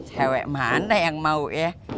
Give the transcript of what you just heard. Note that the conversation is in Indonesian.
cewek mana yang mau ya